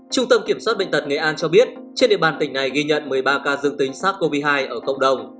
trung tâm kiểm soát bệnh tật nghệ an cho biết trên địa bàn tỉnh này ghi nhận một mươi ba ca dương tính sars cov hai ở cộng đồng